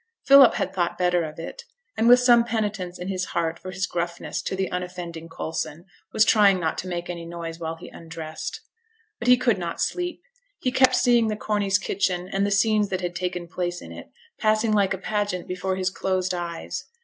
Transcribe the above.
Philip had thought better of it, and, with some penitence in his heart for his gruffness to the unoffending Coulson, was trying not to make any noise while he undressed. But he could not sleep. He kept seeing the Corneys' kitchen and the scenes that had taken place in it, passing like a pageant before his closed eyes.